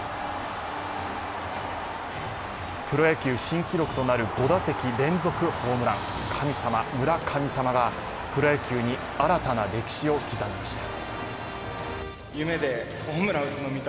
プロ野球新記録となる５打席連続ホームラン、神様、村「神」様がプロ野球に新たな歴史を刻みました。